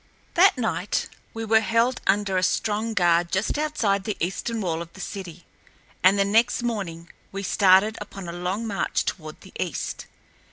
That night we were held under a strong guard just outside the eastern wall of the city, and the next morning were started upon a long march toward the east.